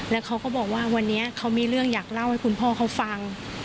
แล้วเขาก็บอกว่าวันนี้เขามีเรื่องอยากเล่าให้คุณพ่อเขาฟัง